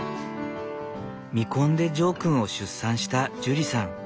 未婚でジョー君を出産したジュリさん。